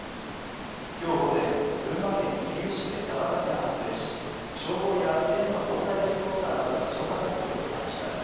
きょう午前、群馬県桐生市で山火事が発生し消防や県の防災ヘリコプターなどが消火活動を行いました。